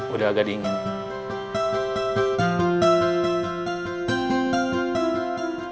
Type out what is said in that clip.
udah agak dingin